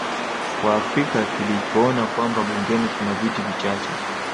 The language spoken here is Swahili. Waafrika kilipoona kwamba bungeni kuna viti vichache